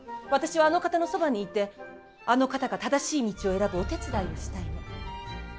私はあの方のそばにいてあの方が正しい道を選ぶお手伝いをしたいの。